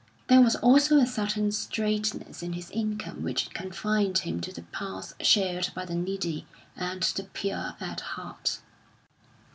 There was also a certain straitness in his income which confined him to the paths shared by the needy and the pure at heart.